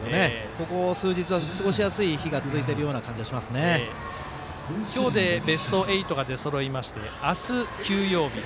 ここ数日はすごしやすい日が続いているような今日でベスト８が出そろいまして明日、休養日。